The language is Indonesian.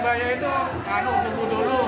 saya itu kan sebuah dulu